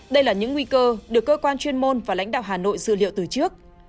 đây là những nguy cơ được cơ quan chuyên môn và lãnh đạo hà nội dự liệu từ trước